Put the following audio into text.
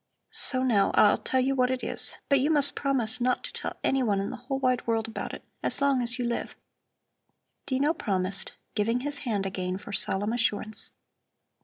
"So now, I'll tell you what it is. But you must promise not to tell anyone in the whole, wide world about it, as long as you live." Dino promised, giving his hand again for solemn assurance.